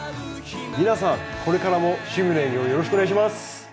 皆さんこれからも「趣味の園芸」をよろしくお願いします。